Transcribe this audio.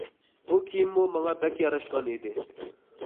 بۇ كىيىممۇ ماڭا بەك ياراشقان ئىدى.